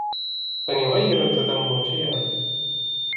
لن يغير التذمر شيئاً.